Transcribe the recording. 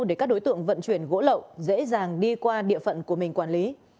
để các đối tượng vận chuyển gỗ lậu dễ dàng đi qua địa phận của mình quản lý